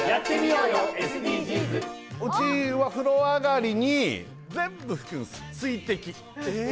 うちは風呂上がりに全部拭くんです、水滴。